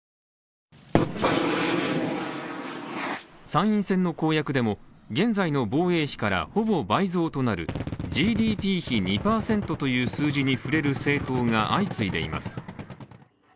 参院選の公約でも現在の防衛費からほぼ倍増となるＧＤＰ比２％という数字に触れる政党が相次いでいます。